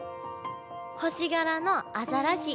星がらのアザラシ。